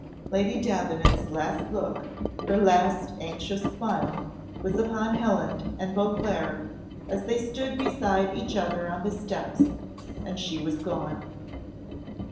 Lady Davenant's last look, her last anxious smile, was upon Helen and Beauclerc as they stood beside each other on the steps, and she was gone.